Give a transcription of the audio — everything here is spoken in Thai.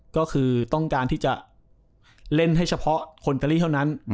ก็คือต้องการที่จะเล่นให้เฉพาะคนอิตาลีเท่านั้น